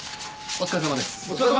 お疲れさまです！